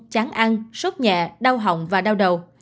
chán ăn sốt nhẹ đau hỏng và đau đầu